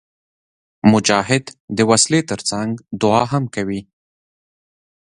مجاهد د وسلې تر څنګ دعا هم کوي.